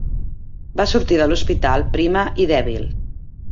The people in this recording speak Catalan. Va sortir de l'hospital prima i dèbil.